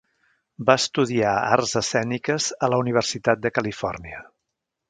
Va estudiar Arts Escèniques a la Universitat de Califòrnia.